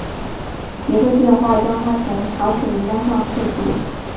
一个电话将他从查处名单上撤除。